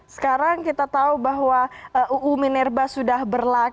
sekarang kita tahu bahwa uu minerba sudah berlaku